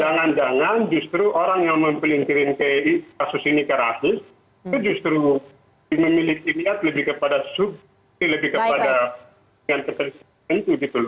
jangan jangan justru orang yang mempelintirin kasus ini ke rasis itu justru memiliki lihat lebih kepada subjek lebih kepada yang tersebut